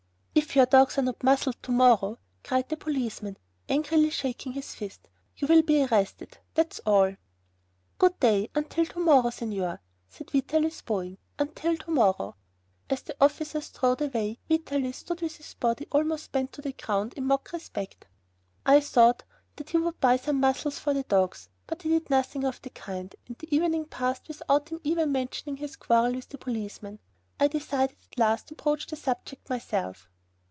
"If your dogs are not muzzled to morrow," cried the policeman, angrily shaking his first, "you'll be arrested. That's all." "Good day, until to morrow, Signor," said Vitalis, bowing, "until to morrow...." As the officer strode away, Vitalis stood with his body almost bent to the ground in mock respect. I thought that he would buy some muzzles for the dogs, but he did nothing of the kind, and the evening passed without him even mentioning his quarrel with the policeman. I decided at last to broach the subject myself.